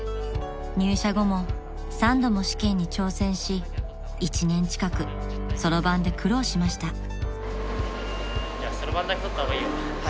［入社後も３度も試験に挑戦し１年近くそろばんで苦労しました］